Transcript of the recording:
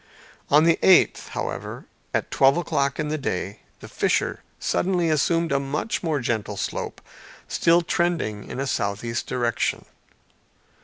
On the eighth, however, at twelve o'clock in the day, the fissure suddenly assumed a much more gentle slope still trending in a southeast direction.